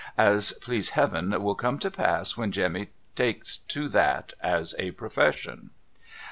As please Heaven will come to pass when Jemmy takes to that as a profession